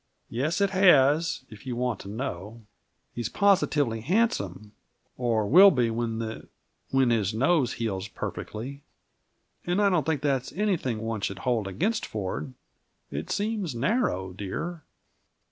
Yes, it has, if you want to know. He's positively handsome or will be when the when his nose heals perfectly. And I don't think that's anything one should hold against Ford; it seems narrow, dear."